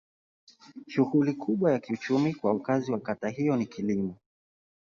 Shughuli kubwa ya kiuchumi kwa wakazi wa kata hiyo ni kilimo.